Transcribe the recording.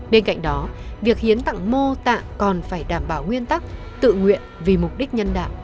bên cạnh đó việc hiến tặng mô tạ còn phải đảm bảo nguyên tắc tự nguyện vì mục đích nhân đạo